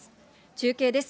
中継です。